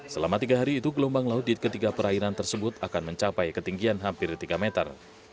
selama tiga hari itu gelombang laut di ketiga perairan tersebut akan mencapai ketinggian hampir tiga meter